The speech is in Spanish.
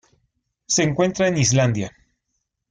Se encuentra en Islandia.